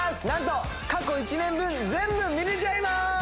なんと過去１年分全部見れちゃいます！